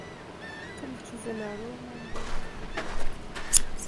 کله چې زه ناروغه وم، مور مې ډېره پالنه وکړه.